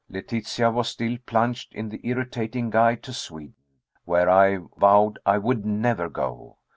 Letitia was still plunged in the irritating guide to Sweden, where I vowed I would never go.